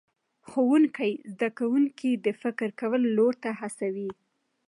ښوونکی زده کوونکي د فکر کولو لور ته هڅوي